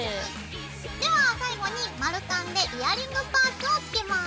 では最後に丸カンでイヤリングパーツをつけます。